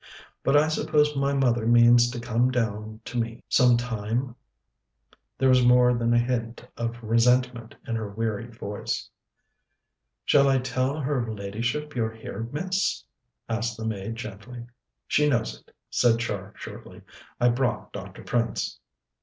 But I suppose my mother means to come down to me some time?" There was more than a hint of resentment in her wearied voice. "Shall I tell her ladyship you're here, miss?" asked the maid gently. "She knows it," said Char shortly. "I brought Dr. Prince."